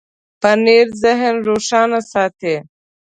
پنېر ذهن روښانه ساتي.